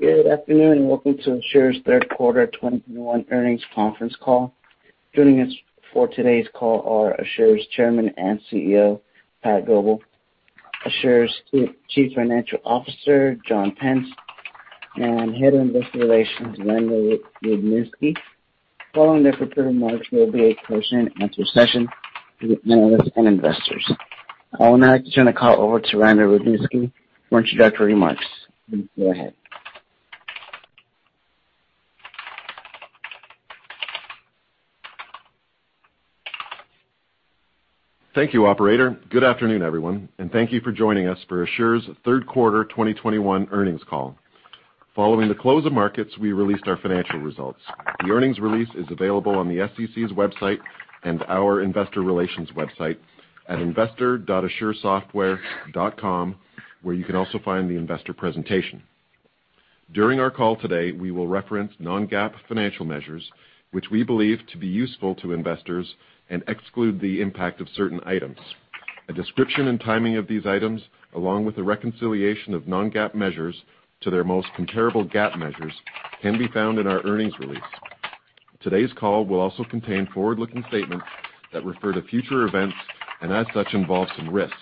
Good afternoon and welcome to Asure's Q3 2021 earnings conference call. Joining us for today's call are Asure's Chairman and CEO, Pat Goepel; Asure's Chief Financial Officer, John Pence; and Head of Investor Relations, Randal Rudniski. Following their prepared remarks, there will be a question and answer session with analysts and investors. I would now like to turn the call over to Randal Rudniski for introductory remarks. Please go ahead. Thank you, operator. Good afternoon, everyone, and thank you for joining us for Asure's third quarter 2021 earnings call. Following the close of markets, we released our financial results. The earnings release is available on the SEC's website and our investor relations website at investor.asuresoftware.com, where you can also find the investor presentation. During our call today, we will reference non-GAAP financial measures, which we believe to be useful to investors and exclude the impact of certain items. A description and timing of these items, along with a reconciliation of non-GAAP measures to their most comparable GAAP measures, can be found in our earnings release. Today's call will also contain forward-looking statements that refer to future events and as such involve some risks.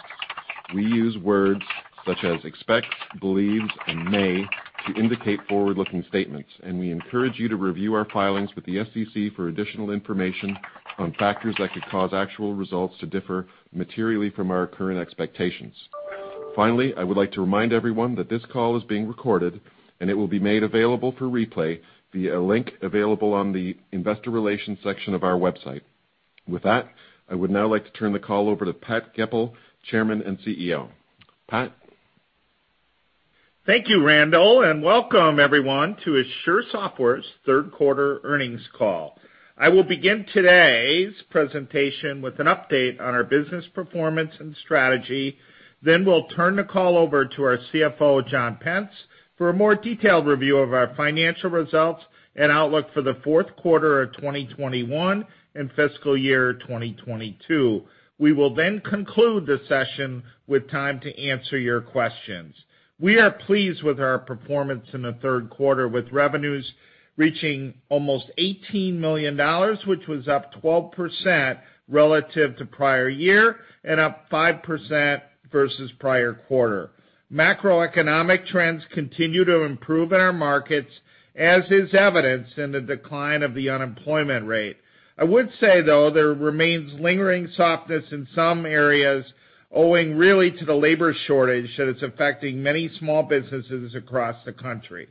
We use words such as expect, believes, and may to indicate forward-looking statements. We encourage you to review our filings with the SEC for additional information on factors that could cause actual results to differ materially from our current expectations. I would like to remind everyone that this call is being recorded and it will be made available for replay via a link available on the investor relations section of our website. I would now like to turn the call over to Pat Goepel, Chairman and CEO. Pat? Thank you, Randal, and welcome everyone to Asure Software's third quarter earnings call. I will begin today's presentation with an update on our business performance and strategy. We'll turn the call over to our CFO, John Pence, for a more detailed review of our financial results and outlook for the fourth quarter of 2021 and fiscal year 2022. We will then conclude the session with time to answer your questions. We are pleased with our performance in the third quarter, with revenues reaching almost $18 million, which was up 12% relative to prior year and up 5% versus prior quarter. Macroeconomic trends continue to improve in our markets, as is evidenced in the decline of the unemployment rate. I would say, though, there remains lingering softness in some areas, owing really to the labor shortage that is affecting many small businesses across the country.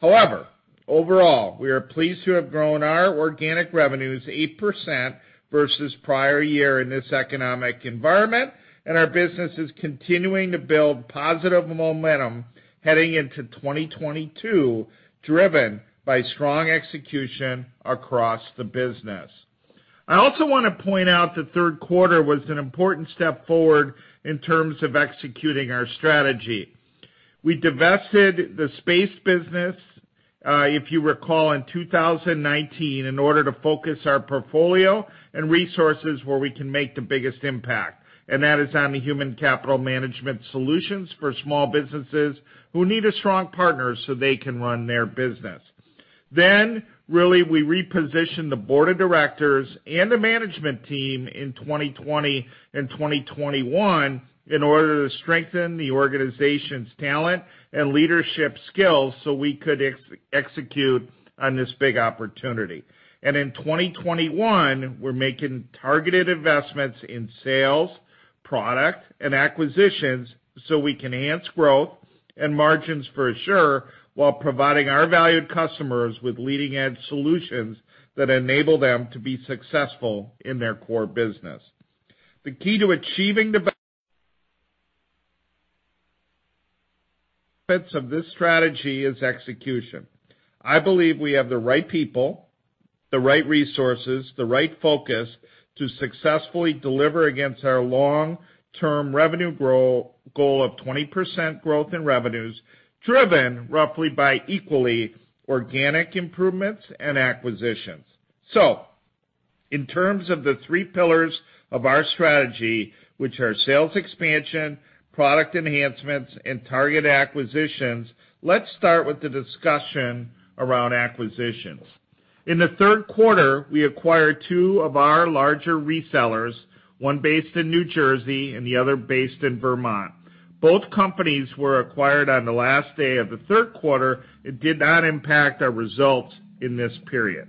However, overall, we are pleased to have grown our organic revenues 8% versus prior year in this economic environment, and our business is continuing to build positive momentum heading into 2022, driven by strong execution across the business. I also wanna point out the third quarter was an important step forward in terms of executing our strategy. We divested the space business, if you recall, in 2019 in order to focus our portfolio and resources where we can make the biggest impact. That is on the human capital management solutions for small businesses who need a strong partner so they can run their business. Really we repositioned the board of directors and the management team in 2020 and 2021 in order to strengthen the organization's talent and leadership skills so we could execute on this big opportunity. In 2021, we're making targeted investments in sales, product, and acquisitions so we can enhance growth and margins for Asure while providing our valued customers with leading-edge solutions that enable them to be successful in their core business. The key to achieving the benefits of this strategy is execution. I believe we have the right people, the right resources, the right focus to successfully deliver against our long-term revenue growth goal of 20% growth in revenues, driven roughly by equally organic improvements and acquisitions. In terms of the three pillars of our strategy, which are sales expansion, product enhancements, and target acquisitions, let's start with the discussion around acquisitions. In the third quarter, we acquired two of our larger resellers, one based in New Jersey and the other based in Vermont. Both companies were acquired on the last day of the third quarter. It did not impact our results in this period.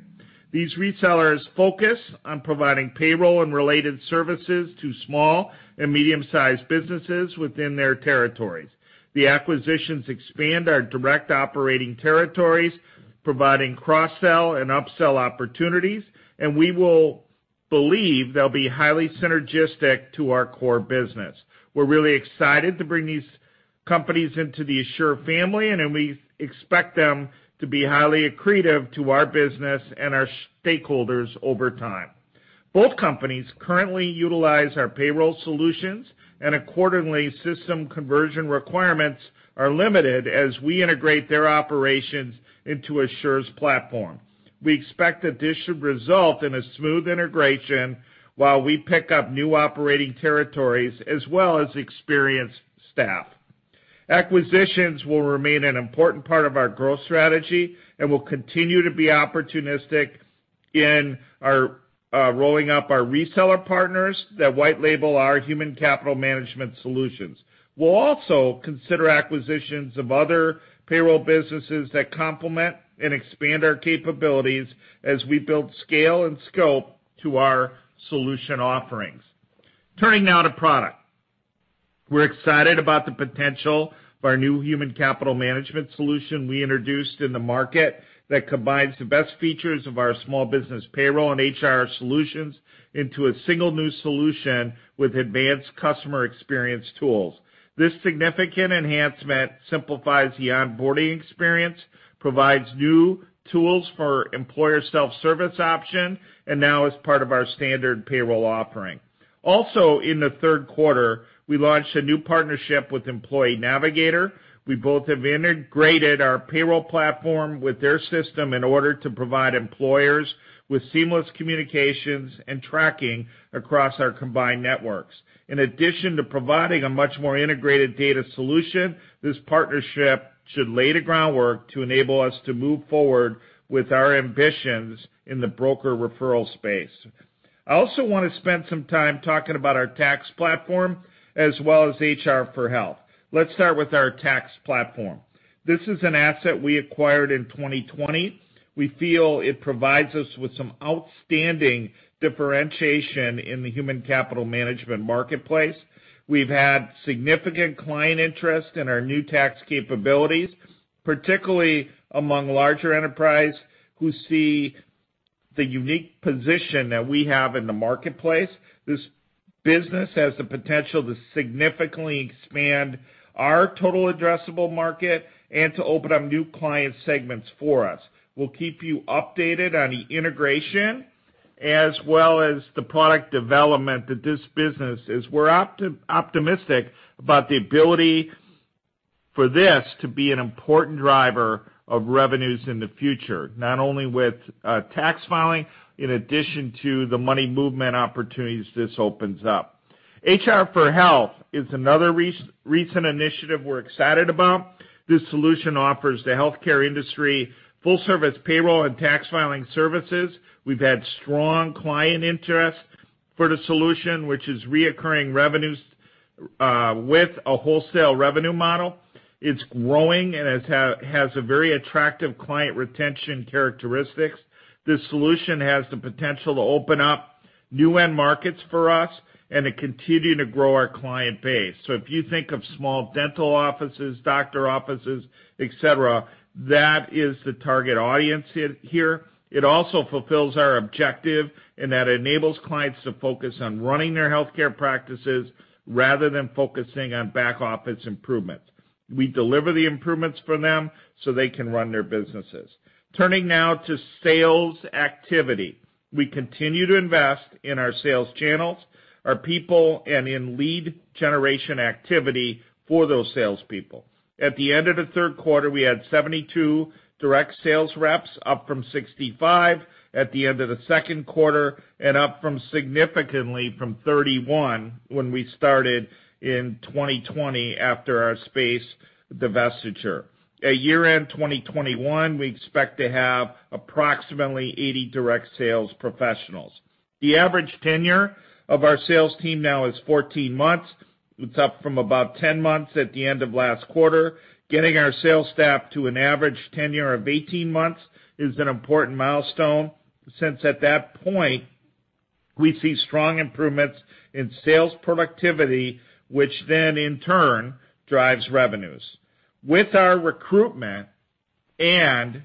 These resellers focus on providing payroll and related services to small and medium-sized businesses within their territories. The acquisitions expand our direct operating territories, providing cross-sell and upsell opportunities. We will believe they'll be highly synergistic to our core business. We're really excited to bring these companies into the Asure family. We expect them to be highly accretive to our business and our stakeholders over time. Both companies currently utilize our payroll solutions. Accordingly, system conversion requirements are limited as we integrate their operations into Asure's platform. We expect this should result in a smooth integration while we pick up new operating territories as well as experienced staff. Acquisitions will remain an important part of our growth strategy, and we'll continue to be opportunistic in our rolling up our reseller partners that white label our human capital management solutions. We'll also consider acquisitions of other payroll businesses that complement and expand our capabilities as we build scale and scope to our solution offerings. Turning now to product. We're excited about the potential of our new human capital management solution we introduced in the market that combines the best features of our small business payroll and HR solutions into a single new solution with advanced customer experience tools. This significant enhancement simplifies the onboarding experience, provides new tools for employer self-service option, and now is part of our standard payroll offering. Also, in the third quarter, we launched a new partnership with Employee Navigator. We both have integrated our payroll platform with their system in order to provide employers with seamless communications and tracking across our combined networks. In addition to providing a much more integrated data solution, this partnership should lay the groundwork to enable us to move forward with our ambitions in the broker referral space. I also wanna spend some time talking about our tax platform as well as HR for Health. Let's start with our tax platform. This is an asset we acquired in 2020. We feel it provides us with some outstanding differentiation in the human capital management marketplace. We've had significant client interest in our new tax capabilities, particularly among larger enterprise who see the unique position that we have in the marketplace. This business has the potential to significantly expand our total addressable market and to open up new client segments for us. We'll keep you updated on the integration as well as the product development that this business is. We're optimistic about the ability for this to be an important driver of revenues in the future, not only with tax filing, in addition to the money movement opportunities this opens up. HR for Health is another recent initiative we're excited about. This solution offers the healthcare industry full service, payroll, and tax filing services. We've had strong client interest for the solution, which is reoccurring revenues with a wholesale revenue model. It's growing and has a very attractive client retention characteristics. This solution has the potential to open up new end markets for us and to continue to grow our client base. If you think of small dental offices, doctor offices, et cetera, that is the target audience here. It also fulfills our objective, and that enables clients to focus on running their healthcare practices rather than focusing on back-office improvements. We deliver the improvements for them so they can run their businesses. Turning now to sales activity. We continue to invest in our sales channels, our people, and in lead generation activity for those salespeople. At the end of the third quarter, we had 72 direct sales reps, up from 65 at the end of the second quarter, and up significantly from 31 when we started in 2020 after our space divestiture. At year-end 2021, we expect to have approximately 80 direct sales professionals. The average tenure of our sales team now is 14 months. It's up from about 10 months at the end of last quarter. Getting our sales staff to an average tenure of 18 months is an important milestone, since at that point, we see strong improvements in sales productivity, which then in turn drives revenues. With our recruitment and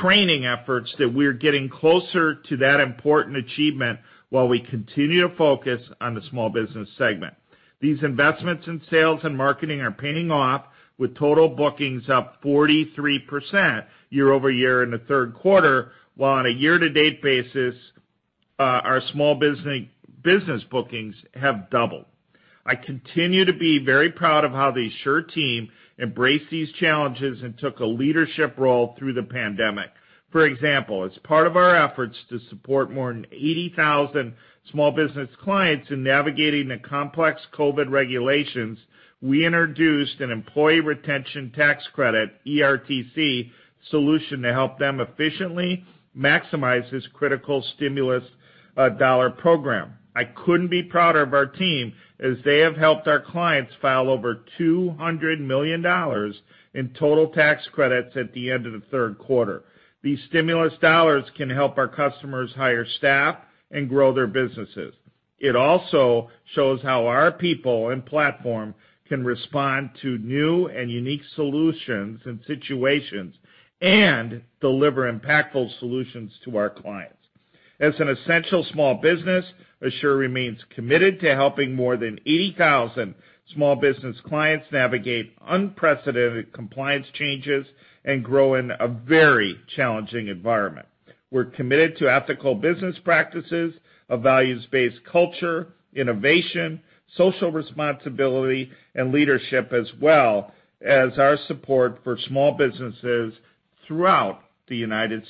training efforts that we're getting closer to that important achievement while we continue to focus on the small business segment. These investments in sales and marketing are paying off with total bookings up 43% year-over-year in the third quarter, while on a year-to-date basis, our small business bookings have doubled. I continue to be very proud of how the Asure team embraced these challenges and took a leadership role through the pandemic. For example, as part of our efforts to support more than 80,000 small business clients in navigating the complex COVID regulations, we introduced an employee retention tax credit, ERTC, solution to help them efficiently maximize this critical stimulus dollar program. I couldn't be prouder of our team as they have helped our clients file over $200 million in total tax credits at the end of the third quarter. These stimulus dollars can help our customers hire staff and grow their businesses. It also shows how our people and platform can respond to new and unique solutions and situations and deliver impactful solutions to our clients. As an essential small business, Asure remains committed to helping more than 80,000 small business clients navigate unprecedented compliance changes and grow in a very challenging environment. We're committed to ethical business practices, a values-based culture, innovation, social responsibility, and leadership, as well as our support for small businesses throughout the U.S.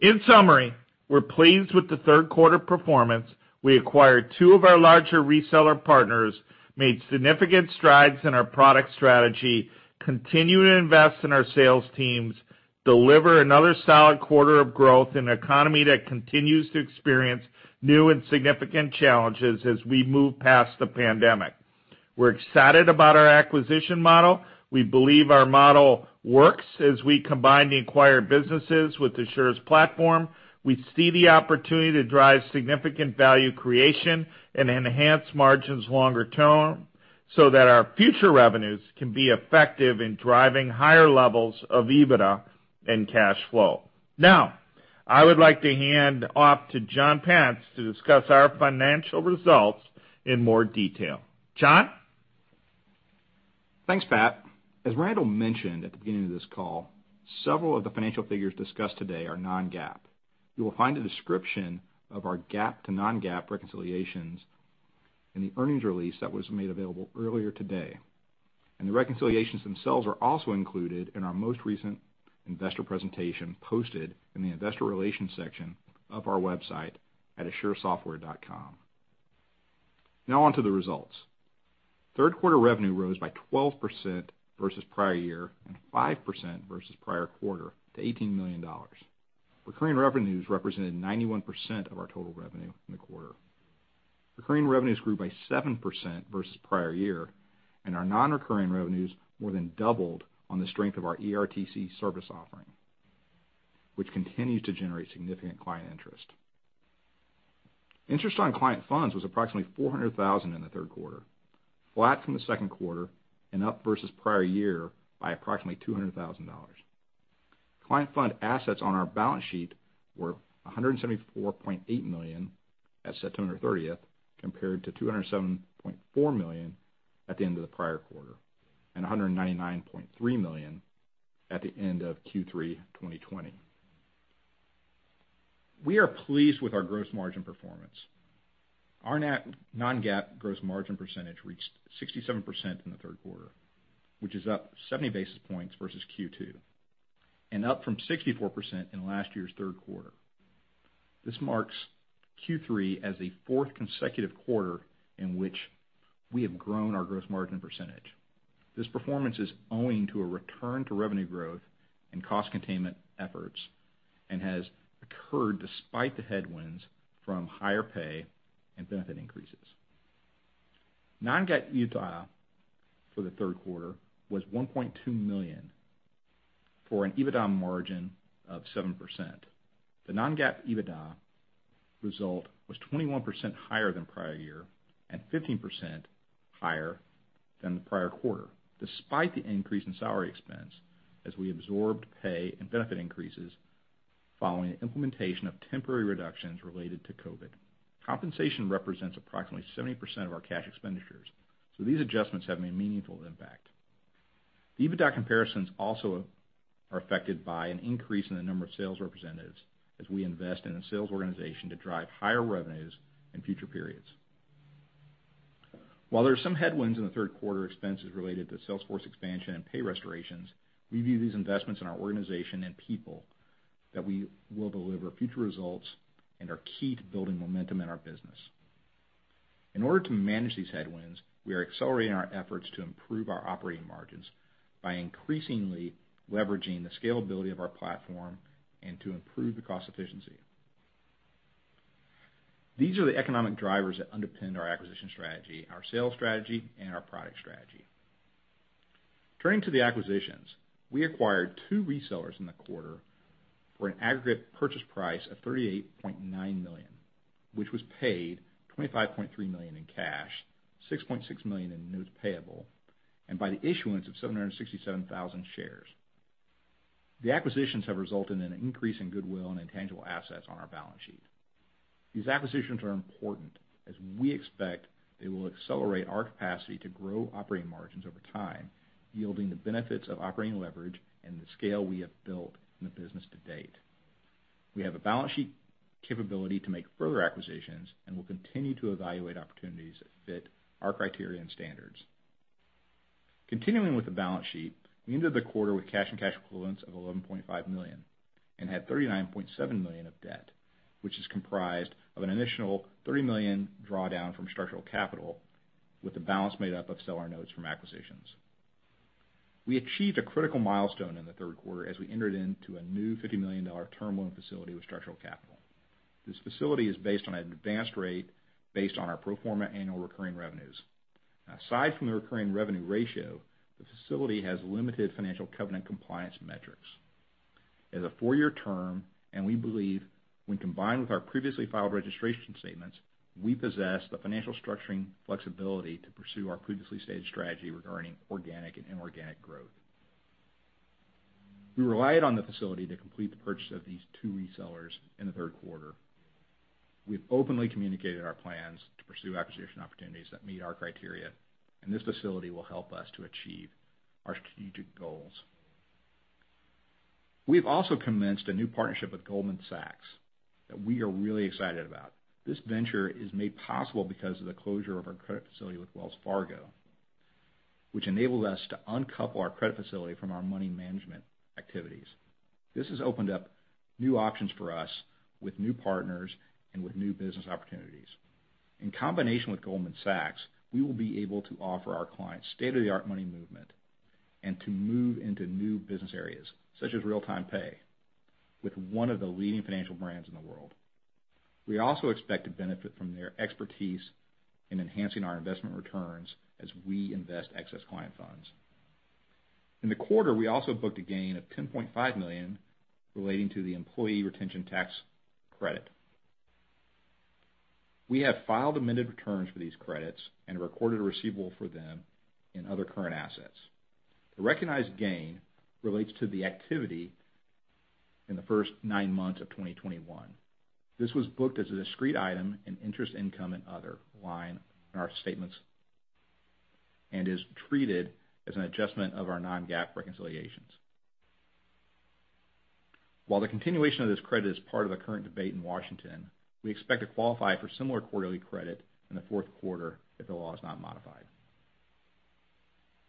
In summary, we're pleased with the third quarter performance. We acquired two of our larger reseller partners, made significant strides in our product strategy, continue to invest in our sales teams, deliver another solid quarter of growth in an economy that continues to experience new and significant challenges as we move past the pandemic. We're excited about our acquisition model. We believe our model works as we combine the acquired businesses with Asure's platform. We see the opportunity to drive significant value creation and enhance margins longer term, so that our future revenues can be effective in driving higher levels of EBITDA and cash flow. I would like to hand off to John Pence to discuss our financial results in more detail. John? Thanks, Pat. As Randal mentioned at the beginning of this call, several of the financial figures discussed today are non-GAAP. You will find a description of our GAAP to non-GAAP reconciliations in the earnings release that was made available earlier today. The reconciliations themselves are also included in our most recent investor presentation posted in the investor relations section of our website at asuresoftware.com. Now on to the results. Third quarter revenue rose by 12% versus prior year, and 5% versus prior quarter to $18 million. Recurring revenues represented 91% of our total revenue in the quarter. Recurring revenues grew by 7% versus prior year, our non-recurring revenues more than doubled on the strength of our ERTC service offering, which continues to generate significant client interest. Interest on client funds was approximately $400,000 in the third quarter, flat from the second quarter and up versus prior year by approximately $200,000. Client fund assets on our balance sheet were $174.8 million at September 30, compared to $207.4 million at the end of the prior quarter, and $199.3 million at the end of Q3 2020. We are pleased with our gross margin performance. Our net non-GAAP gross margin percentage reached 67% in the third quarter, which is up 70 basis points versus Q2, and up from 64% in last year's third quarter. This marks Q3 as a fourth consecutive quarter in which we have grown our gross margin percentage. This performance is owing to a return to revenue growth and cost containment efforts and has occurred despite the headwinds from higher pay and benefit increases. non-GAAP EBITDA for the third quarter was $1.2 million, for an EBITDA margin of 7%. The non-GAAP EBITDA result was 21% higher than prior year and 15% higher than the prior quarter, despite the increase in salary expense as we absorbed pay and benefit increases following the implementation of temporary reductions related to COVID. Compensation represents approximately 70% of our cash expenditures, so these adjustments have made a meaningful impact. The EBITDA comparisons also are affected by an increase in the number of sales representatives as we invest in a sales organization to drive higher revenues in future periods. While there are some headwinds in the third quarter expenses related to salesforce expansion and pay restorations, we view these investments in our organization and people that we will deliver future results and are key to building momentum in our business. In order to manage these headwinds, we are accelerating our efforts to improve our operating margins by increasingly leveraging the scalability of our platform and to improve the cost efficiency. These are the economic drivers that underpin our acquisition strategy, our sales strategy, and our product strategy. Turning to the acquisitions, we acquired two resellers in the quarter for an aggregate purchase price of $38.9 million, which was paid $25.3 million in cash, $6.6 million in notes payable, and by the issuance of 767,000 shares. The acquisitions have resulted in an increase in goodwill and intangible assets on our balance sheet. These acquisitions are important as we expect they will accelerate our capacity to grow operating margins over time, yielding the benefits of operating leverage and the scale we have built in the business to date. We have a balance sheet capability to make further acquisitions and will continue to evaluate opportunities that fit our criteria and standards. Continuing with the balance sheet, we ended the quarter with cash and cash equivalents of $11.5 million and had $39.7 million of debt, which is comprised of an initial $30 million drawdown from Structural Capital, with the balance made up of seller notes from acquisitions. We achieved a critical milestone in the third quarter as we entered into a new $50 million term loan facility with Structural Capital. This facility is based on an advanced rate based on our pro forma annual recurring revenues. Aside from the recurring revenue ratio, the facility has limited financial covenant compliance metrics. It is a four-year term, and we believe when combined with our previously filed registration statements, we possess the financial structuring flexibility to pursue our previously stated strategy regarding organic and inorganic growth. We relied on the facility to complete the purchase of these two resellers in the third quarter. We've openly communicated our plans to pursue acquisition opportunities that meet our criteria, and this facility will help us to achieve our strategic goals. We've also commenced a new partnership with Goldman Sachs that we are really excited about. This venture is made possible because of the closure of our credit facility with Wells Fargo, which enabled us to uncouple our credit facility from our money management activities. This has opened up new options for us with new partners and with new business opportunities. In combination with Goldman Sachs, we will be able to offer our clients state-of-the-art money movement and to move into new business areas, such as real-time pay, with one of the leading financial brands in the world. We also expect to benefit from their expertise in enhancing our investment returns as we invest excess client funds. In the quarter, we also booked a gain of $10.5 million relating to the employee retention tax credit. We have filed amended returns for these credits and recorded a receivable for them in other current assets. The recognized gain relates to the activity in the first nine months of 2021. This was booked as a discrete item in interest income and other line in our statements and is treated as an adjustment of our non-GAAP reconciliations. While the continuation of this credit is part of the current debate in Washington, we expect to qualify for similar quarterly credit in the fourth quarter if the law is not modified.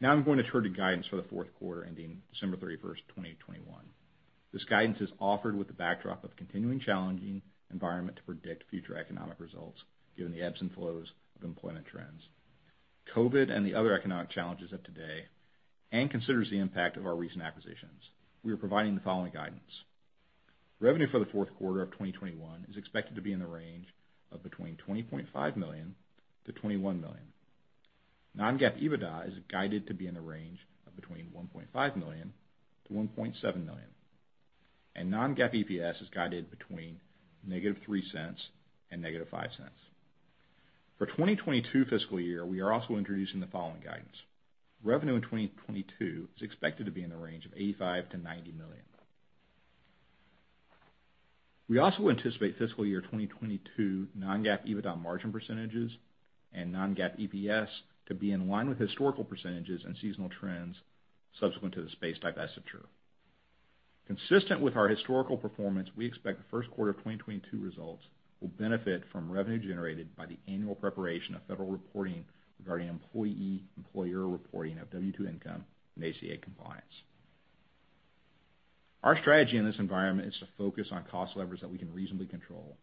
Now I'm going to turn to guidance for the fourth quarter ending 31st December 2021. This guidance is offered with the backdrop of continuing challenging environment to predict future economic results given the ebbs and flows of employment trends, COVID and the other economic challenges of today, and considers the impact of our recent acquisitions. We are providing the following guidance. Revenue for the fourth quarter of 2021 is expected to be in the range of between $20.5 million-$21 million. Non-GAAP EBITDA is guided to be in the range of between $1.5 million-$1.7 million, and non-GAAP EPS is guided between -$0.03 and -$0.05. For 2022 fiscal year, we are also introducing the following guidance. Revenue in 2022 is expected to be in the range of $85 million-$90 million. We also anticipate fiscal year 2022 non-GAAP EBITDA margin percentages and non-GAAP EPS to be in line with historical percentages and seasonal trends subsequent to the space divestiture. Consistent with our historical performance, we expect the first quarter of 2022 results will benefit from revenue generated by the annual preparation of federal reporting regarding employee-employer reporting of W-2 income and ACA compliance. Our strategy in this environment is to focus on cost levers that we can reasonably control,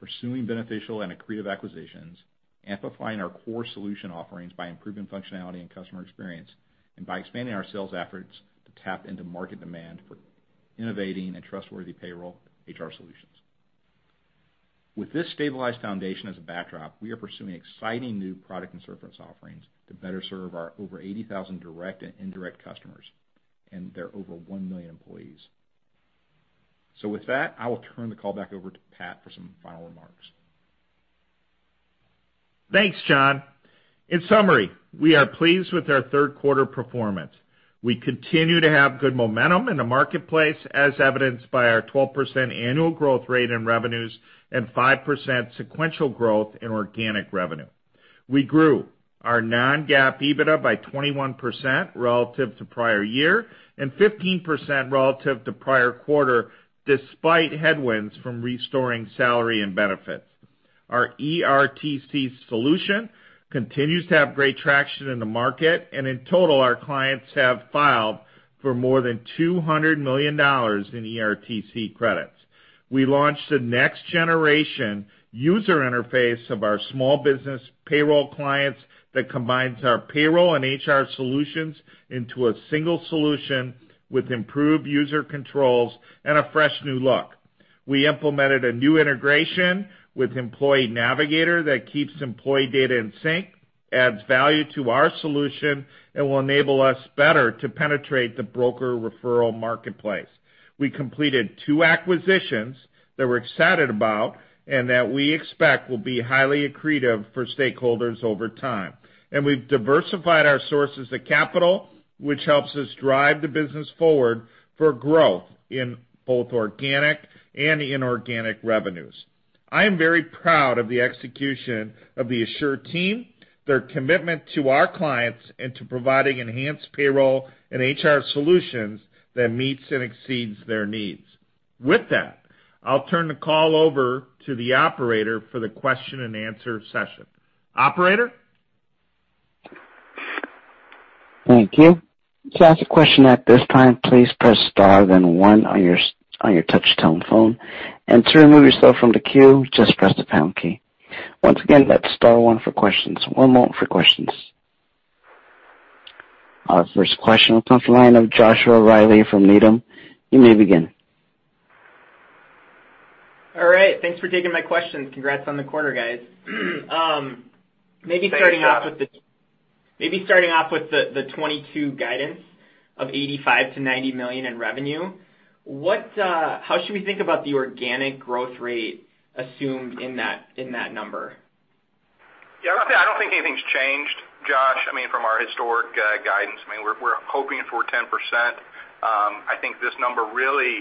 pursuing beneficial and accretive acquisitions, amplifying our core solution offerings by improving functionality and customer experience, and by expanding our sales efforts to tap into market demand for innovating and trustworthy payroll HR solutions. With this stabilized foundation as a backdrop, we are pursuing exciting new product and service offerings to better serve our over 80,000 direct and indirect customers and their over 1 million employees. With that, I will turn the call back over to Pat for some final remarks. Thanks, John. In summary, we are pleased with our third quarter performance. We continue to have good momentum in the marketplace as evidenced by our 12% annual growth rate in revenues and 5% sequential growth in organic revenue. We grew our non-GAAP EBITDA by 21% relative to prior year and 15% relative to prior quarter, despite headwinds from restoring salary and benefits. Our ERTC solution continues to have great traction in the market, and in total, our clients have filed for more than $200 million in ERTC credits. We launched the next generation user interface of our small business payroll clients that combines our payroll and HR solutions into a single solution with improved user controls and a fresh new look. We implemented a new integration with Employee Navigator that keeps employee data in sync, adds value to our solution, and will enable us better to penetrate the broker referral marketplace. We completed two acquisitions that we're excited about and that we expect will be highly accretive for stakeholders over time. We've diversified our sources of capital, which helps us drive the business forward for growth in both organic and inorganic revenues. I am very proud of the execution of the Asure team, their commitment to our clients, and to providing enhanced payroll and HR solutions that meets and exceeds their needs. With that, I'll turn the call over to the operator for the question and answer session. Operator? Thank you. To ask a question at this time, please Press Star one on your touch-tone phone. To remove yourself from the queue, just press the pound key. Our first question comes from the line of Joshua Reilly from Needham. You may begin. All right. Thanks for taking my questions. Congrats on the quarter, guys. maybe starting off with Thanks, Josh. Maybe starting off with the 2022 guidance of $85 million-$90 million in revenue, how should we think about the organic growth rate assumed in that number? I don't think, I don't think anything's changed, Josh, I mean, from our historic guidance. I mean, we're hoping for 10%. I think this number really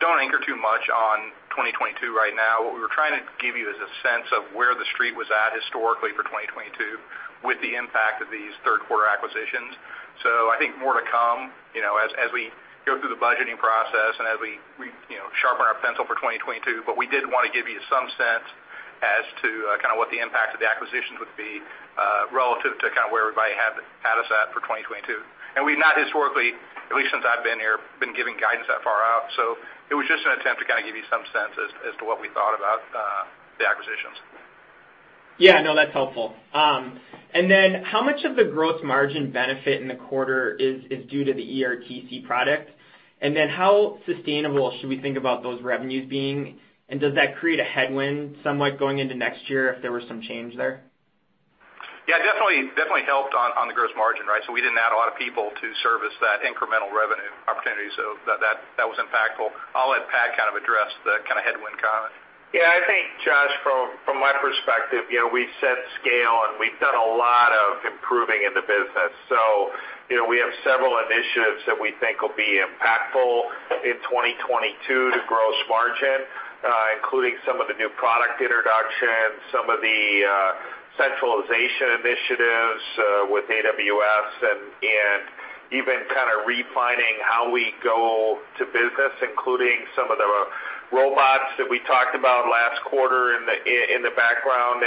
don't anchor too much on 2022 right now. What we were trying to give you is a sense of where the street was at historically for 2022 with the impact of these third quarter acquisitions. I think more to come, you know, as we go through the budgeting process and as we, you know, sharpen our pencil for 2022. We did want to give you some sense As to, kind of what the impact of the acquisitions would be, relative to kind of where everybody had us at for 2022. We've not historically, at least since I've been here, been giving guidance that far out. It was just an attempt to kind of give you some sense as to what we thought about, the acquisitions. Yeah, no, that's helpful. Then how much of the gross margin benefit in the quarter is due to the ERTC product? Then how sustainable should we think about those revenues being? Does that create a headwind somewhat going into next year if there was some change there? Yeah, definitely helped on the gross margin, right? We didn't add a lot of people to service that incremental revenue opportunity. That was impactful. I'll let Pat kind of address the kinda headwind comment. Yeah, I think, Josh, from my perspective, you know, we set scale, and we've done a lot of improving in the business. You know, we have several initiatives that we think will be impactful in 2022 to gross margin, including some of the new product introductions, some of the centralization initiatives, with AWS, and even kinda refining how we go to business, including some of the robots that we talked about last quarter in the background.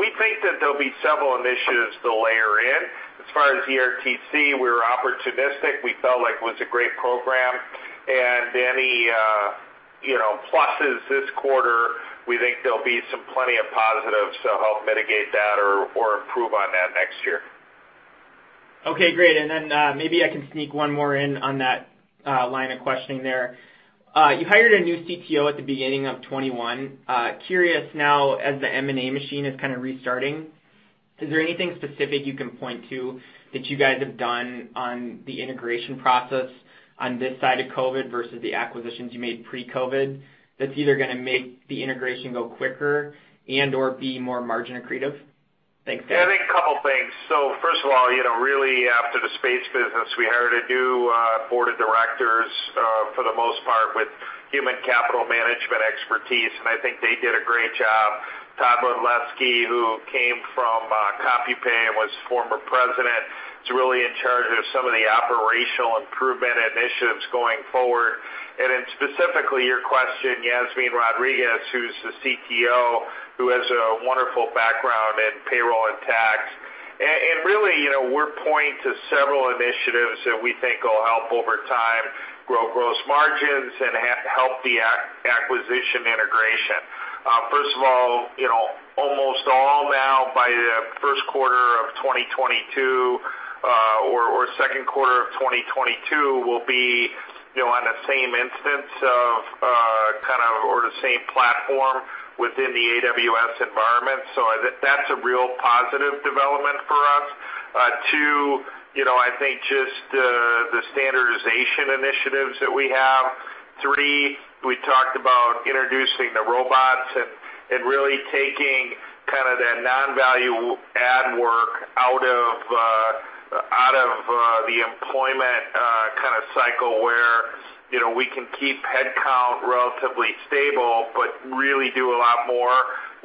We think that there'll be several initiatives to layer in. As far as ERTC, we were opportunistic. We felt like it was a great program. Any, you know, pluses this quarter, we think there'll be some plenty of positives to help mitigate that or improve on that next year. Okay, great. Maybe I can sneak one more in on that line of questioning there. You hired a new CTO at the beginning of 2021. Curious now, as the M&A machine is kind of restarting, is there anything specific you can point to that you guys have done on the integration process on this side of COVID versus the acquisitions you made pre-COVID that's either going to make the integration go quicker and/or be more margin accretive? Thanks. I think a couple things. First of all, you know, really after the space business, we hired a new board of directors for the most part with human capital management expertise, and I think they did a great job. Todd Waletzki, who came from CompuPay and was former president, is really in charge of some of the operational improvement initiatives going forward. Specifically your question, Yasmine Rodriguez, who's the CTO, who has a wonderful background in payroll and tax. Really, you know, we're pointing to several initiatives that we think will help over time grow gross margins and help the acquisition integration. First of all, you know, almost all now by Q1 2022 or Q2 2022 will be, you know, on the same instance of kind of or the same platform within the AWS environment. I think that's a real positive development for us. Two, you know, I think just the standardization initiatives that we have. Three, we talked about introducing the robots and really taking kinda the non-value add work out of the employment kinda cycle where, you know, we can keep headcount relatively stable but really do a lot more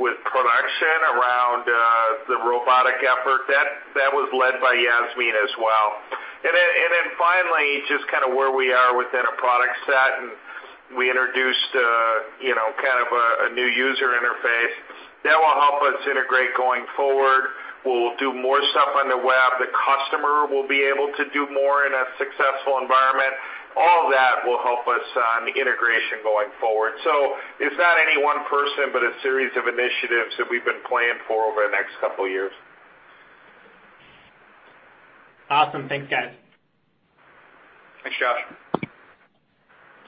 with production around the robotic effort. That was led by Yasmine as well. Finally, just kinda where we are within a product set, and we introduced, you know, kind of a new user interface that will help us integrate going forward. We'll do more stuff on the web. The customer will be able to do more in a successful environment. All of that will help us on the integration going forward. It's not any one person, but a series of initiatives that we've been planning for over the next couple years. Awesome. Thanks, guys. Thanks, Josh.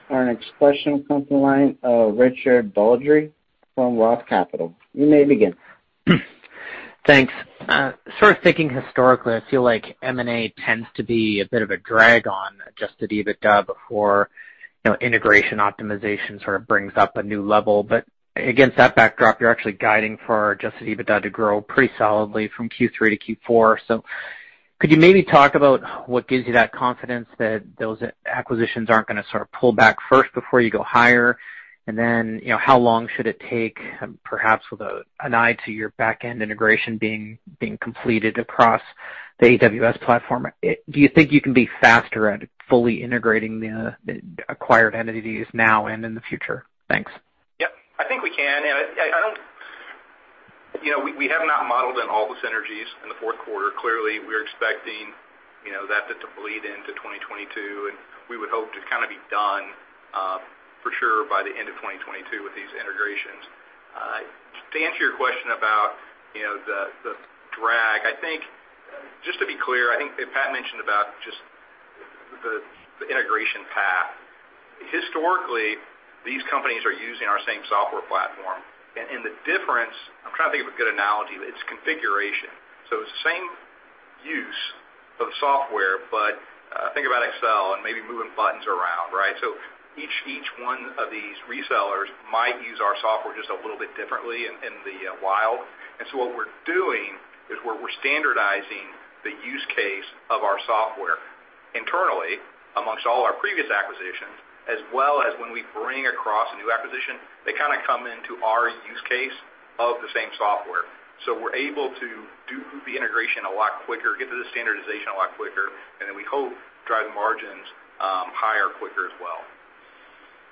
Our next question comes from the line of Richard Baldry from Roth Capital Partners. You may begin. Thanks. sort of thinking historically, I feel like M&A tends to be a bit of a drag on adjusted EBITDA before, you know, integration optimization sort of brings up a new level. Against that backdrop, you're actually guiding for adjusted EBITDA to grow pretty solidly from Q3-Q4. Could you maybe talk about what gives you that confidence that those acquisitions aren't gonna sort of pull back first before you go higher? you know, how long should it take, perhaps with an eye to your back-end integration being completed across the AWS platform? Do you think you can be faster at fully integrating the acquired entities now and in the future? Thanks. Yep, I think we can. And I, I don't, you know, we have not modeled in all the synergies in the fourth quarter. Clearly, we're expecting, you know, that to bleed into 2022, and we would hope to kinda be done, for sure by the end of 2022 with these integrations. To answer your question about, you know, the drag, I think, just to be clear, I think that Pat mentioned about just the integration path. Historically, these companies are using our same software platform, and the difference, I'm trying to think of a good analogy. It's configuration. Same use of software, but think about Excel and maybe moving buttons around, right? Each one of these resellers might use our software just a little bit differently in the wild. What we're doing is we're standardizing the use case of our software internally amongst all our previous acquisitions, as well as when we bring across a new acquisition, they kinda come into our use case of the same software. We're able to do the integration a lot quicker, get to the standardization a lot quicker, and then we hope drive margins higher quicker as well.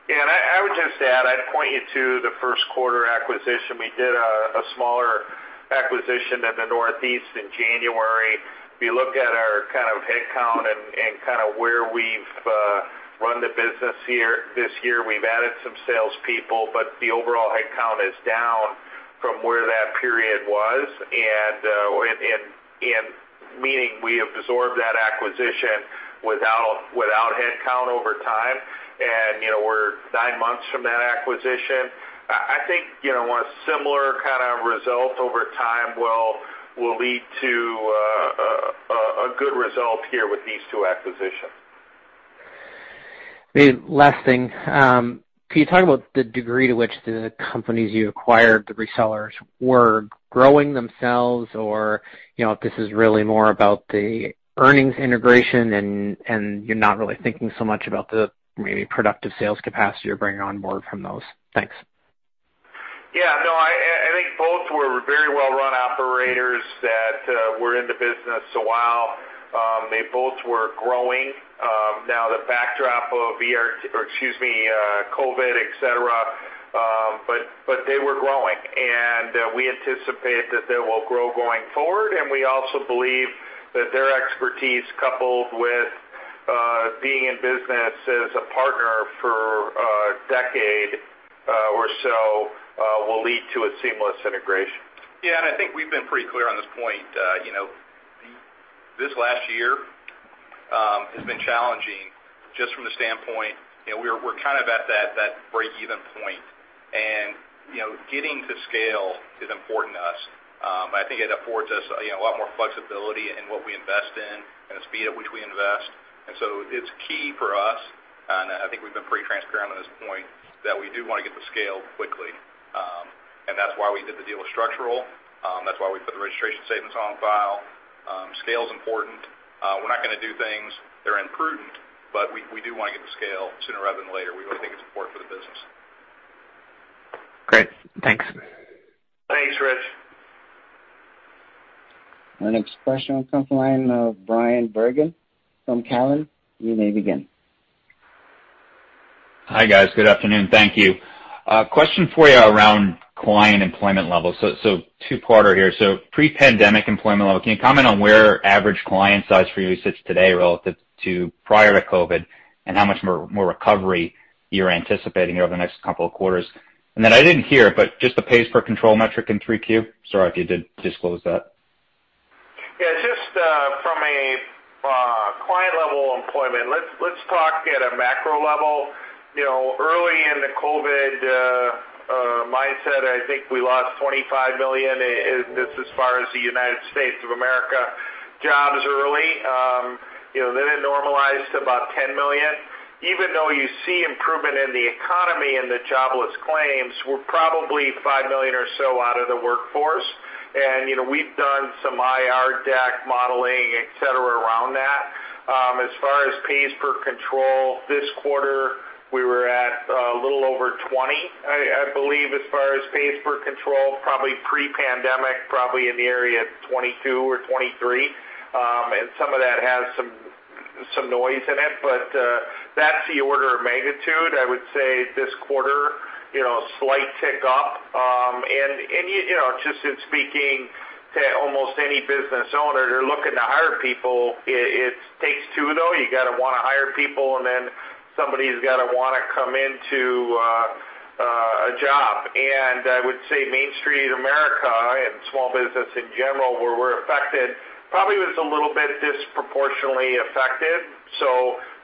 Yeah, I would just add, I'd point you to the first quarter acquisition. We did a smaller acquisition in the Northeast in January. If you look at our kind of headcount and kinda where we've run the business here this year, we've added some salespeople, but the overall headcount is down from where that period was. Meaning we absorbed that acquisition without headcount over time. You know, we're nine months from that acquisition. I think, you know, a similar kind of result over time will lead to a good result here with these two acquisitions. The last thing, can you talk about the degree to which the companies you acquired, the resellers, were growing themselves or, you know, if this is really more about the earnings integration and you're not really thinking so much about the maybe productive sales capacity you're bringing on board from those? Thanks. Yeah, no, I think both were very well run operators that were in the business a while. They both were growing. Now the backdrop of COVID, et cetera, but they were growing. We anticipate that they will grow going forward. We also believe that their expertise coupled with being in business as a partner for a decade or so will lead to a seamless integration. Yeah, I think we've been pretty clear on this point. you know, this last year has been challenging just from the standpoint, you know, we're kind of at that breakeven point. you know, getting to scale is important to us. I think it affords us, you know, a lot more flexibility in what we invest in and the speed at which we invest. It's key for us, and I think we've been pretty transparent on this point, that we do wanna get to scale quickly. That's why we did the deal with Structural. That's why we put the registration statements on file. Scale's important. We're not gonna do things that are imprudent, but we do wanna get to scale sooner rather than later. We really think it's important for the business. Great. Thanks. Thanks, Rich. Our next question comes from the line of Bryan Bergin from Cowen. You may begin. Hi, guys. Good afternoon. Thank you. A question for you around client employment levels. 2 parter here. Pre-pandemic employment level, can you comment on where average client size for you sits today relative to prior to COVID, and how much more recovery you're anticipating over the next couple of quarters? I didn't hear, but just the pays per control metric in Q3. Sorry if you did disclose that. From a client level employment, let's talk at a macro level. You know, early in the COVID mindset, I think we lost $25 million as far as the United States of America jobs early. You know, it normalized about $10 million. Even though you see improvement in the economy and the jobless claims, we're probably $5 million or so out of the workforce. You know, we've done some IR deck modeling, et cetera, around that. As far as pays per control, this quarter we were at a little over 20, I believe, as far as pays per control, probably pre-pandemic, probably in the area of 22 or 23. Some of that has some noise in it, but that's the order of magnitude. I would say this quarter, you know, slight tick up. You know, just in speaking to almost any business owner, they're looking to hire people. It takes two, though. You gotta wanna hire people, and then somebody's gotta wanna come into a job. I would say Main Street America and small business in general, where we're affected, probably was a little bit disproportionately affected.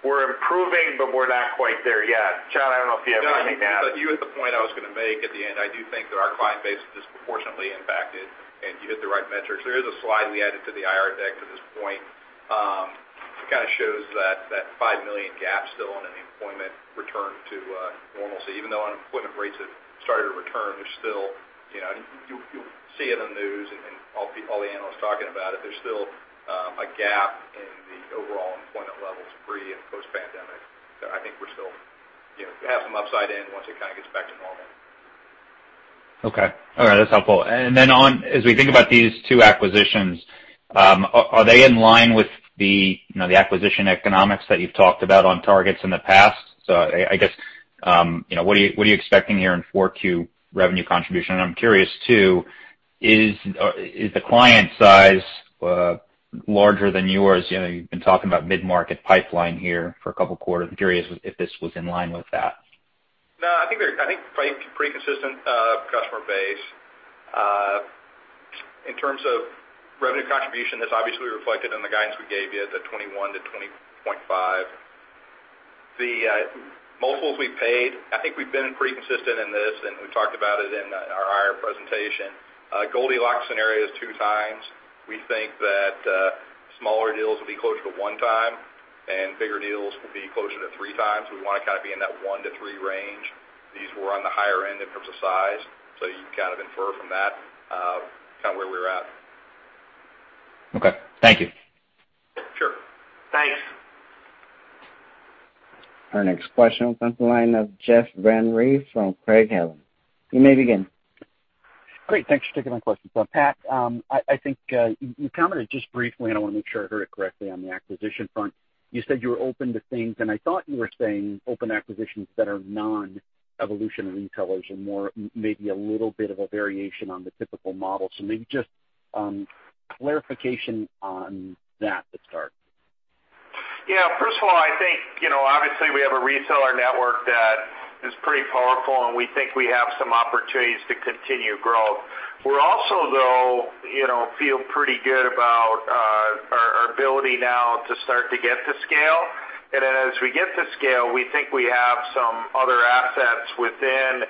We're improving, but we're not quite there yet. Chad, I don't know if you have anything to add. No, I think that you hit the point I was gonna make at the end. I do think that our client base is disproportionately impacted, and you hit the right metrics. There is a slide we added to the IR deck at this point. It kinda shows that $5 million gap still on an employment return to normalcy. Even though unemployment rates have started to return, there's still, you know, You'll see it in the news and all the analysts talking about it. There's still a gap in the overall employment levels pre- and post-pandemic. I think we're still, you know, have some upside in once it kinda gets back to normal. Okay. All right. That's helpful. Then as we think about these two acquisitions, are they in line with the, you know, the acquisition economics that you've talked about on targets in the past? I guess, you know, what are you expecting here in 4Q revenue contribution? I'm curious, too, is the client size, larger than yours? You know, you've been talking about mid-market pipeline here for a couple quarters. I'm curious if this was in line with that. No, I think they're pretty consistent, customer base. In terms of revenue contribution, that's obviously reflected in the guidance we gave you at the $21 million to $20.5 million. The multiples we paid, I think we've been pretty consistent in this. We talked about it in our IR presentation. Goldilocks scenario is 2x. We think that smaller deals will be closer to 1x, and bigger deals will be closer to 3x. We wanna kinda be in that 1-3 range. These were on the higher end in terms of size, so you can kind of infer from that, kinda where we're at. Okay. Thank you. Sure. Thanks. Our next question comes from the line of Jeff Van Rhee from Craig-Hallum. You may begin. Great. Thanks for taking my questions. Pat, I think you commented just briefly, and I wanna make sure I heard it correctly, on the acquisition front. You said you were open to things, and I thought you were saying open acquisitions that are non-evolution of retailers and more, maybe a little bit of a variation on the typical model. Maybe just clarification on that to start. Yeah. First of all, I think, you know, obviously, we have a reseller network that is pretty powerful, and we think we have some opportunities to continue growth. We're also though, you know, feel pretty good about our ability now to start to get to scale. As we get to scale, we think we have some other assets within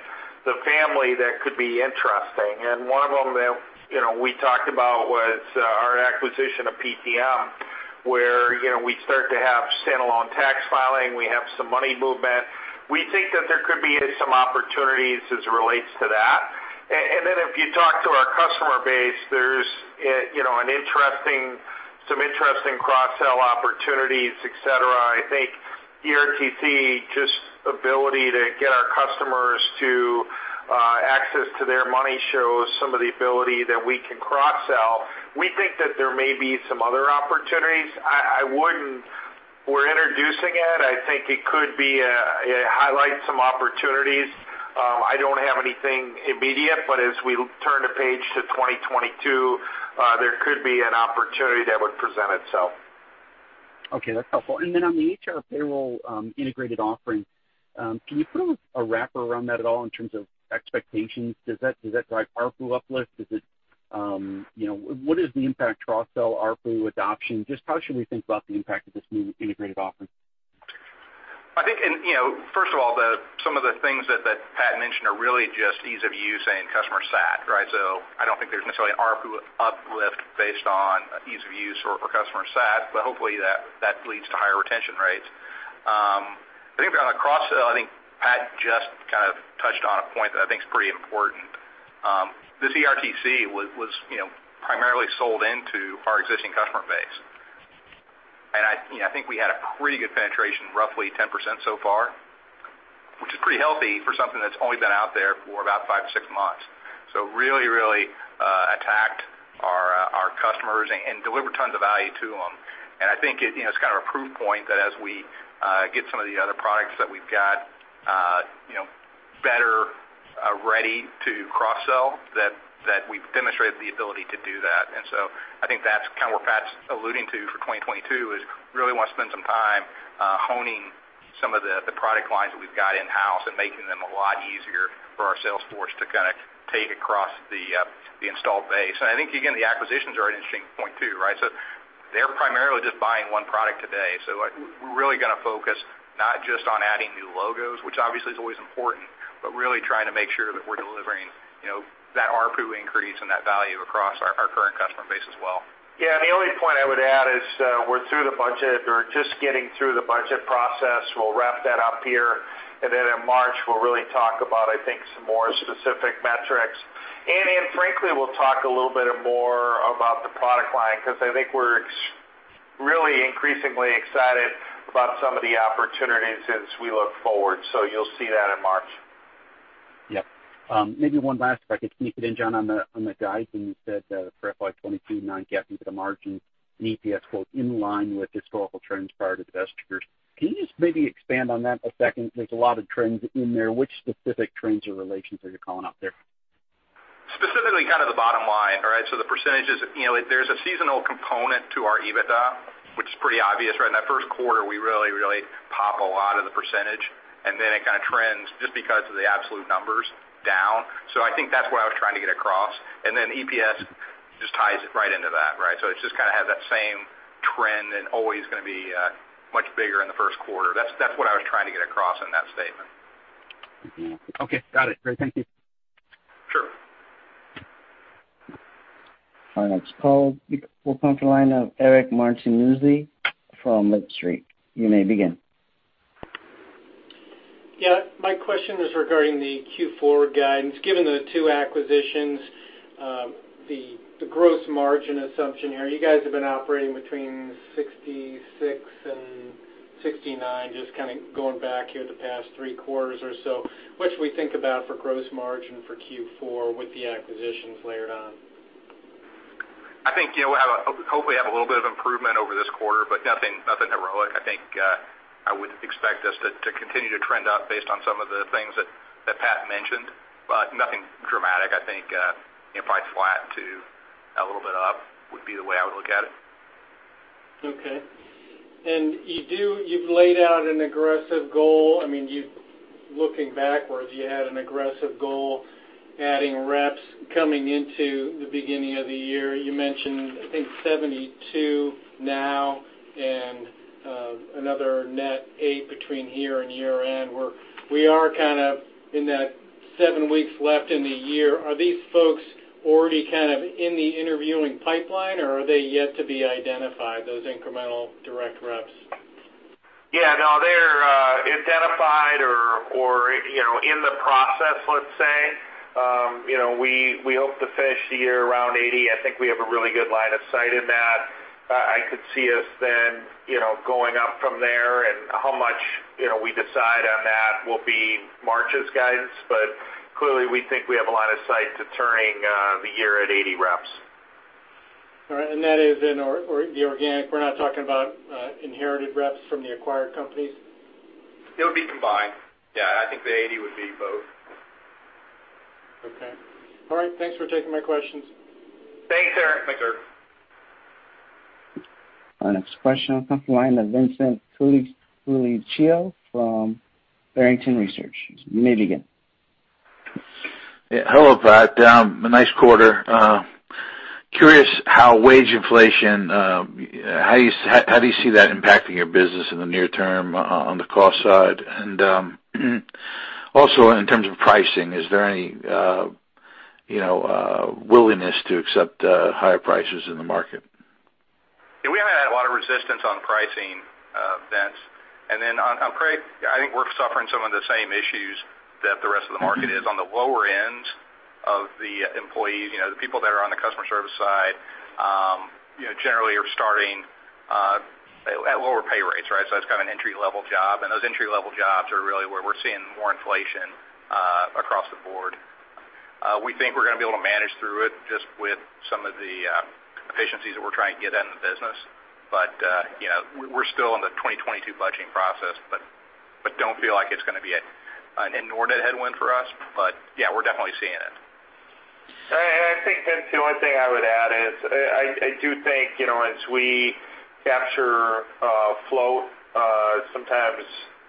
the family that could be interesting. One of them that, you know, we talked about was our acquisition of PTM, where, you know, we start to have standalone tax filing, we have some money movement. We think that there could be some opportunities as it relates to that. Then if you talk to our customer base, there's, you know, some interesting cross-sell opportunities, et cetera. I think ERTC, just ability to get our customers to access to their money shows some of the ability that we can cross-sell. We think that there may be some other opportunities. I wouldn't. We're introducing it. I think it could be a highlight some opportunities. I don't have anything immediate, but as we turn the page to 2022, there could be an opportunity that would present itself. Okay, that's helpful. On the HR payroll, integrated offering, can you put a wrapper around that at all in terms of expectations? Does that drive ARPU uplift? Is it, you know, what is the impact cross-sell ARPU adoption? Just how should we think about the impact of this new integrated offering? I think, you know, first of all, some of the things that Pat mentioned are really just ease of use and customer sat, right? I don't think there's necessarily ARPU uplift based on ease of use or customer sat, but hopefully that leads to higher retention rates. I think on a cross-sell, I think Pat just kind of touched on a point that I think is pretty important. This ERTC was, you know, primarily sold into our existing customer base. I, you know, I think we had a pretty good penetration, roughly 10% so far, which is pretty healthy for something that's only been out there for about 5 to 6 months. Really attacked our customers and delivered tons of value to them. I think it, you know, it's kind of a proof point that as we get some of the other products that we've got, you know, better, ready to cross-sell, that we've demonstrated the ability to do that. I think that's kind of what Pat's alluding to for 2022, is really wanna spend some time honing some of the product lines that we've got in-house and making them a lot easier for our sales force to kinda take across the installed base. I think, again, the acquisitions are an interesting point too, right? They're primarily just buying 1 product today. Like, we're really gonna focus not just on adding new logos, which obviously is always important, but really trying to make sure that we're delivering, you know, that ARPU increase and that value across our current customer base as well. Yeah. The only point I would add is, we're through the budget or just getting through the budget process. We'll wrap that up here. In March, we'll really talk about, I think, some more specific metrics. Frankly, we'll talk a little bit more about the product line 'cause I think we're really increasingly excited about some of the opportunities as we look forward. You'll see that in March. Yeah. Maybe one last, if I could sneak it in, John, on the guidance. You said, for FY 2022, non-GAAP EBITDA margins and EPS, quote, "in line with historical trends prior to the divestitures." Can you just maybe expand on that a second? There's a lot of trends in there. Which specific trends or relations are you calling out there? Specifically kind of the bottom line, all right? The percentages. You know, there's a seasonal component to our EBITDA, which is pretty obvious, right? In that first quarter, we really pop a lot of the percentage, and then it kinda trends just because of the absolute numbers down. I think that's what I was trying to get across. EPS just ties it right into that, right? It just kinda has that same trend and always gonna be much bigger in the first quarter. That's what I was trying to get across in that statement. Okay. Got it. Great. Thank you. Sure. Our next call will come from the line of Eric Martinuzzi from Lake Street. You may begin. Yeah. My question is regarding the Q4 guidance. Given the two acquisitions, the gross margin assumption here, you guys have been operating between 66% and 69%, just kinda going back here the past three quarters or so. What should we think about for gross margin for Q4 with the acquisitions layered on? I think, you know, we'll hopefully have a little bit of improvement over this quarter, but nothing heroic. I think, I would expect us to continue to trend up based on some of the things that Pat mentioned, but nothing dramatic. I think, you know, probably flat to a little bit up would be the way I would look at it. Okay. You've laid out an aggressive goal. I mean, looking backwards, you had an aggressive goal adding reps coming into the beginning of the year. You mentioned, I think 72 now, and another net eight between here and year-end, where we are kind of in that seven weeks left in the year. Are these folks already kind of in the interviewing pipeline, or are they yet to be identified, those incremental direct reps? Yeah, no, they're identified or, you know, in the process, let's say. You know, we hope to finish the year around 80. I think we have a really good line of sight in that. I could see us then, you know, going up from there and how much, you know, we decide on that will be March's guidance. Clearly, we think we have a line of sight to turning the year at 80 reps. All right. That is in or the organic. We're not talking about inherited reps from the acquired companies. It would be combined. Yeah, I think the 80 would be both. Okay. All right. Thanks for taking my questions. Thanks, Eric. Our next question on the company line is Vincent Colicchio from Barrington Research. You may begin. Yeah. Hello, Pat. A nice quarter. Curious how wage inflation, how do you see that impacting your business in the near term on the cost side? Also in terms of pricing, is there any, you know, willingness to accept higher prices in the market? Yeah, we have had a lot of resistance on pricing, Vince. On Craig, I think we're suffering some of the same issues that the rest of the market is. On the lower end of the employees, you know, the people that are on the customer service side, you know, generally are starting at lower pay rates, right? That's kind of an entry-level job, and those entry-level jobs are really where we're seeing more inflation across the board. We think we're gonna be able to manage through it just with some of the efficiencies that we're trying to get in the business. You know, we're still in the 2022 budgeting process, but don't feel like it's gonna be an inordinate headwind for us. Yeah, we're definitely seeing it. I think, Vincent, the only thing I would add is I do think, you know, as we capture float, sometimes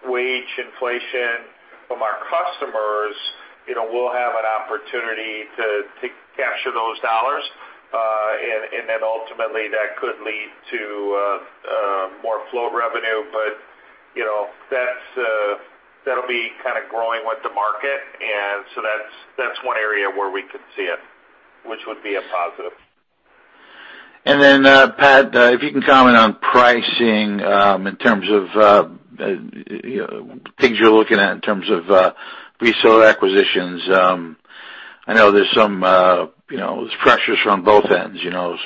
wage inflation from our customers, you know, we'll have an opportunity to capture those dollars. Then ultimately that could lead to more float revenue. You know, that's that'll be kind of growing with the market. So that's one area where we could see it, which would be a positive. Pat, if you can comment on pricing, in terms of, you know, things you're looking at in terms of reseller acquisitions. I know there's some, you know, there's pressures from both ends. You know,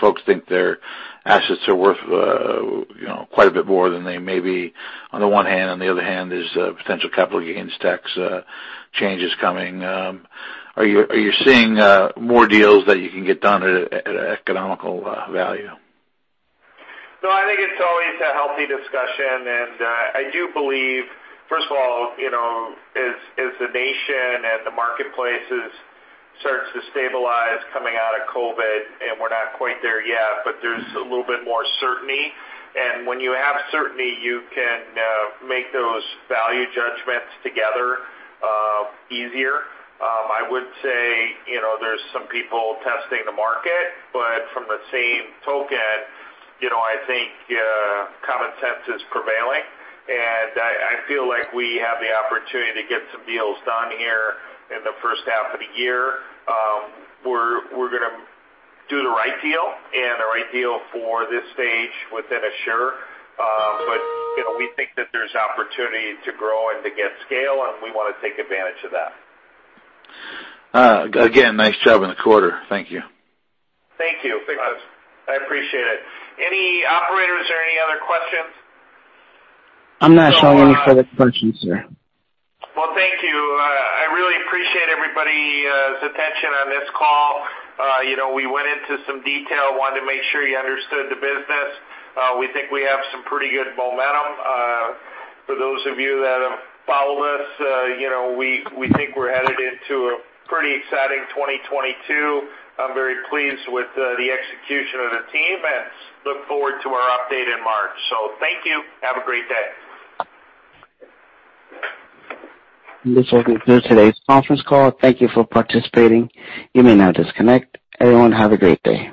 folks think their assets are worth, you know, quite a bit more than they may be on the one hand. On the other hand, there's potential capital gains tax, changes coming. Are you seeing more deals that you can get done at an economical value? No, I think it's always a healthy discussion. I do believe, first of all, you know, as the nation and the marketplace starts to stabilize coming out of COVID, and we're not quite there yet, but there's a little bit more certainty. When you have certainty, you can make those value judgments together, easier. I would say, you know, there's some people testing the market, but from the same token, you know, I think common sense is prevailing. I feel like we have the opportunity to get some deals done here in the first half of the year. We're gonna do the right deal and the right deal for this stage within Asure. but, you know, we think that there's opportunity to grow and to get scale, and we wanna take advantage of that. Again, nice job in the quarter. Thank you. Thank you. Thanks. I appreciate it. Operator, is there any other questions? I'm not showing any further questions, sir. Well, thank you. I really appreciate everybody's attention on this call. You know, we went into some detail. We wanted to make sure you understood the business. We think we have some pretty good momentum. For those of you that have followed us, you know, we think we're headed into a pretty exciting 2022. I'm very pleased with the execution of the team, and look forward to our update in March. Thank you. Have a great day. This will conclude today's conference call. Thank you for participating. You may now disconnect. Everyone, have a great day.